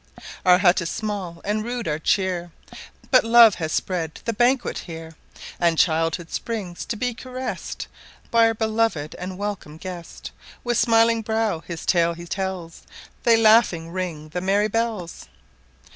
Our hut is small and rude our cheer, But love has spread the banquet here; And childhood springs to be caress'd By our beloved and welcome guest; With smiling brow his tale he tells, They laughing ring the merry bells.